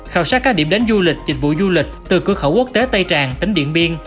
khảo sát các điểm đến du lịch dịch vụ du lịch từ cửa khẩu quốc tế tây tràng tỉnh điện biên